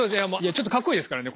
ちょっとかっこいいですからね。